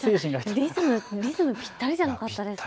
リズムぴったりじゃなかったですか。